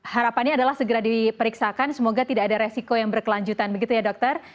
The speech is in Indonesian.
harapannya adalah segera diperiksakan semoga tidak ada resiko yang berkelanjutan begitu ya dokter